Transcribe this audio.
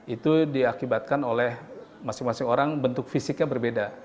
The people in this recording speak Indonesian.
itu diakibatkan oleh masing masing orang bentuk fisiknya berbeda